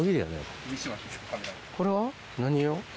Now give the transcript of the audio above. これは何用？